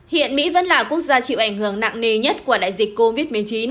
hiện mỹ vẫn là quốc gia chịu ảnh hưởng nặng nề nhất của đại dịch covid một mươi chín